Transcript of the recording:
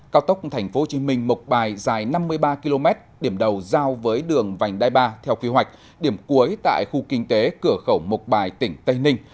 cao tốc tp hcm mộc bài dài năm mươi ba km điểm đầu giao với đường vành đai ba theo kế hoạch điểm cuối tại khu kinh tế cửa khẩu mộc bài tỉnh tây ninh